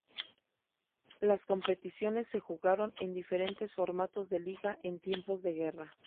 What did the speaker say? Las competiciones se jugaron en diferentes formatos de liga en tiempos de guerra.